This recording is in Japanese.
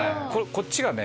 こっちがね